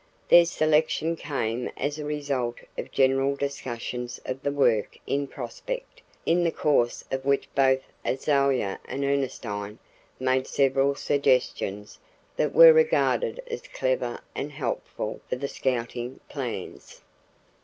Their selection came as a result of general discussions of the work in prospect, in the course of which both Azalia and Ernestine made several suggestions that were regarded as clever and helpful for the scouting plans.